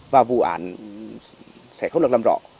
và vụ án sẽ không được làm rõ